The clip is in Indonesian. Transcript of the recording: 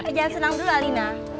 jangan senang dulu alina